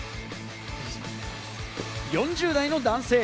４０代の男性。